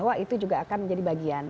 jadi itu juga akan menjadi bagian